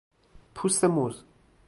پوست موز